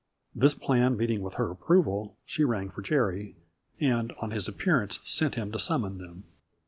This plan meeting with her ap proval she rang for Jerry, and, on his appear / ance, sent him to summon them.